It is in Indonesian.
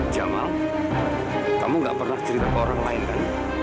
jamal kamu gak pernah cerita ke orang lain kan